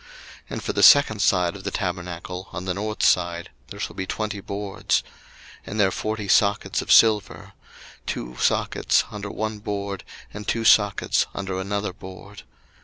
02:026:020 And for the second side of the tabernacle on the north side there shall be twenty boards: 02:026:021 And their forty sockets of silver; two sockets under one board, and two sockets under another board.